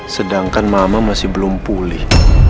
sedangkan mama masih belum pulih